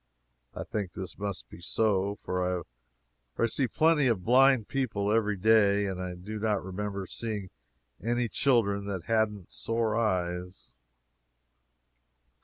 I think this must be so, for I see plenty of blind people every day, and I do not remember seeing any children that hadn't sore eyes.